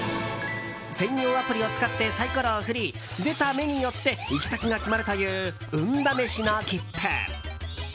専用アプリを使ってサイコロを振り出た目によって行き先が決まるという、運試しの切符。